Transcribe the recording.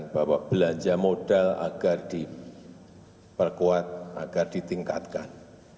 bahwa belanja modal agar diperkuat agar ditingkatkan